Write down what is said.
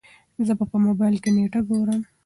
زه په موبايل کې نېټه ګورم.